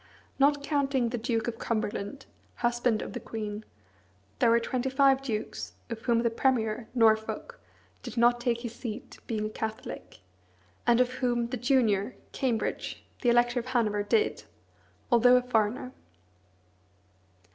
Not counting the Duke of Cumberland, husband of the queen, there were twenty five dukes, of whom the premier, Norfolk, did not take his seat, being a Catholic; and of whom the junior, Cambridge, the Elector of Hanover, did, although a foreigner.